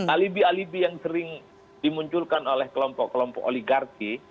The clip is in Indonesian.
alibi alibi yang sering dimunculkan oleh kelompok kelompok oligarki